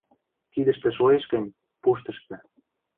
— Кидӹштӹ шоэш гӹнь, пуштышты...